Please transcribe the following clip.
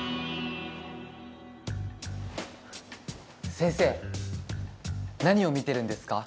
先生何を見てるんですか？